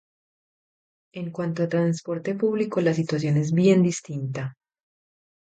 En cuanto a transporte público la situación es bien distinta.